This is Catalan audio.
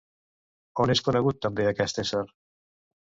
On és conegut també aquest ésser?